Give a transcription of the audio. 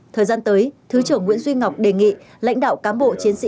thời gian tới thứ trưởng nguyễn duy ngọc đề nghị lãnh đạo cám bộ chiến sĩ